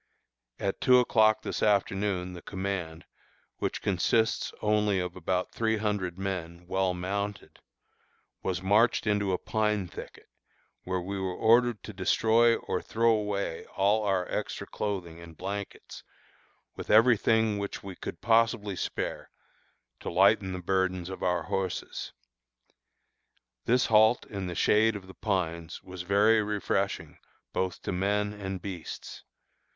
At two o'clock this afternoon the command, which consists only of about three hundred men, well mounted, was marched into a pine thicket, where we were ordered to destroy or throw away all our extra clothing and blankets, with every thing which we could possibly spare, to lighten the burdens of our horses. This halt in the shade of the pines was very refreshing both to men and beasts.